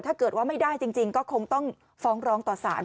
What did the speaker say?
ถ้าเกิดว่าไม่ได้จริงก็คงต้องฟ้องร้องต่อสาร